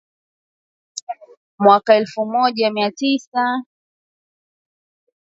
Na mwaka uliofuata elfu moja mia tisa sitini na saba Idhaa ya Kiswahili ya Sauti ya Amerika